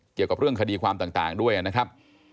เกี่ยวกับเรื่องคดีความต่างด้วยนะครับ